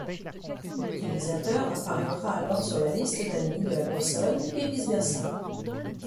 L'utilisateur apparaîtra alors sur la liste d'amis de la personne et vice-versa.